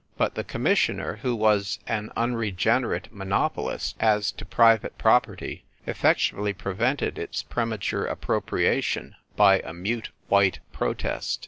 But the Com missioner, who was an unregenerate monopo list as to private property, effectually prevented its premature appropriation by a mute white protest.